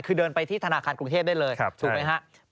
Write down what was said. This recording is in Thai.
คือเดินไปที่ธนาคารกรุงเทพได้เลยถูกไหมครับ